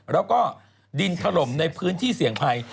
แล้วก็ดินถล่มในพื้นที่เสี่ยงภัย